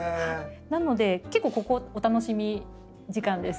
なので結構ここお楽しみ時間です。